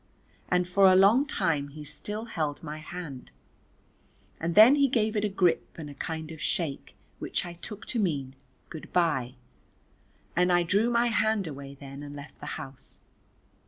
And for a long time he still held my hand, and then he gave it a grip and a kind of a shake which I took to mean "Goodbye" and I drew my hand away then and left the house.